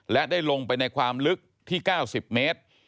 และได้ลงไปในความลึกที่๙๐เมตร